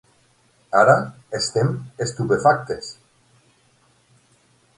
Ara estem estupefactes.